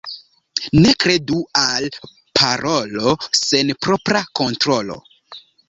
Ne kredu al parolo sen propra kontrolo.